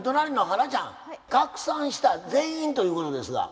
花ちゃん拡散した全員ということですが。